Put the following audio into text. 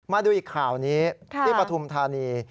มาดูอีกข่าวนี้ที่ปฐุมธานี